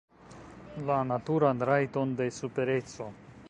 La naturan rajton de supereco.